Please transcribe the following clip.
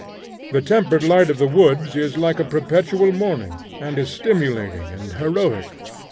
The tempered light of the woods is like a perpetual morning, and is stimulating and heroic.